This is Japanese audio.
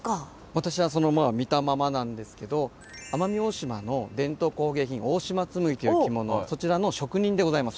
私はその見たままなんですけど奄美大島の伝統工芸品大島紬という着物そちらの職人でございます。